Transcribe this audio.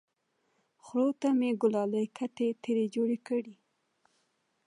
خرو ته مې ګلالۍ کتې ترې جوړې کړې!